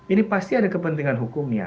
ini pasti ada kepentingan hukumnya